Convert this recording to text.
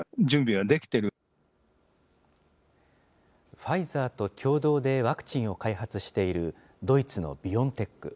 ファイザーと共同でワクチンを開発しているドイツのビオンテック。